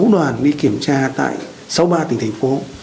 sáu đoàn đi kiểm tra tại sáu mươi ba tỉnh thành phố